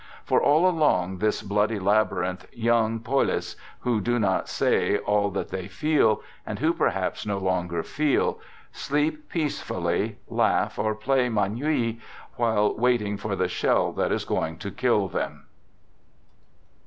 For all along this bloody labyrinth, young poilus, who do not say all that they feel, and who perhaps no longer feel, j sleep peacefully, laugh, or play "manille," while 1 waiting for the shell that is going to kill them.